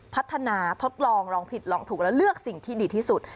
พัฒนาทดลองลองผิดลองถูกแล้วเลือกสิ่งที่ดีที่สุด